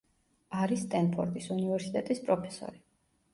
არის სტენფორდის უნივერსიტეტის პროფესორი.